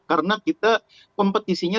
karena kita kompetisinya